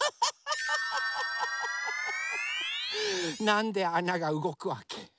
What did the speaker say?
なんであながうごくわけ？